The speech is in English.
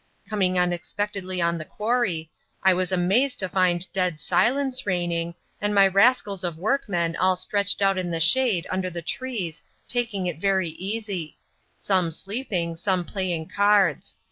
Coming unexpectedly on the quarry, I was amazed to find dead silence reigning and my rascals of workmen all stretched out in the shade under the trees taking it very easy some sleeping, some playing cards.